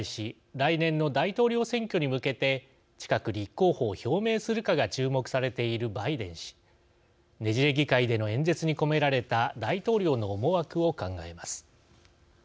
来年の大統領選挙に向けて近く立候補を表明するかが注目されているバイデン氏ねじれ議会での演説に込められた大統領の思惑を考えます。